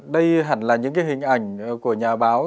đây hẳn là những cái hình ảnh của nhà báo